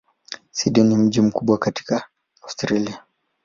Sydney ni mji mkubwa kabisa katika Australia.